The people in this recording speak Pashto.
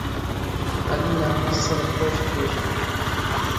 علي له احمد سره خوږ کېږي.